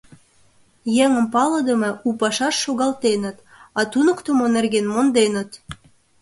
Еҥым палыдыме у пашаш шогалтеныт, а туныктымо нерген монденыт.